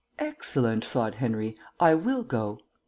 "Excellent," thought Henry. "I will go."